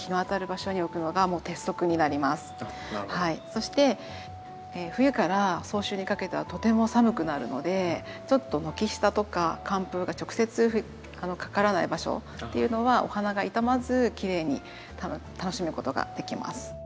そして冬から早春にかけてはとても寒くなるのでちょっと軒下とか寒風が直接かからない場所っていうのはお花が傷まずきれいに楽しむことができます。